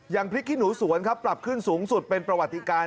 พริกขี้หนูสวนครับปรับขึ้นสูงสุดเป็นประวัติการ